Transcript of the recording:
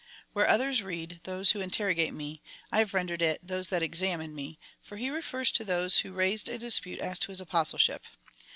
Where others read — those luho interrogate me, I have rendered it — those that examine me — for he refers to those who raised a dis^jute as to his Apostleship.